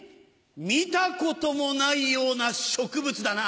見たこともないような植物だな。